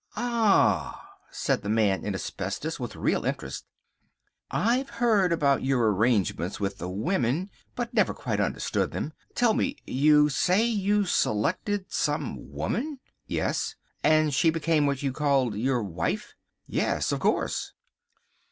"Ah," said the Man in Asbestos, with real interest. "I've heard about your arrangements with the women, but never quite understood them. Tell me; you say you selected some woman?" "Yes." "And she became what you called your wife?" "Yes, of course."